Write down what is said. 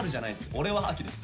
俺は秋です。